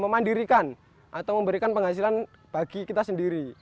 memandirikan atau memberikan penghasilan bagi kita sendiri